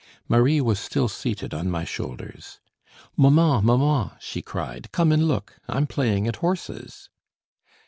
Marie was still seated on my shoulders. "Mamma, mamma," she cried, "come and look; I'm playing at horses."